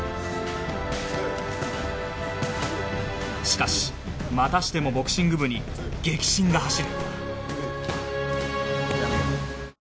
しかしまたしてもボクシング部に激震が走る